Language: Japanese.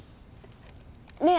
ねえ！